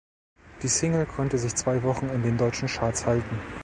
Die Single konnte sich zwei Wochen in den deutschen Charts halten.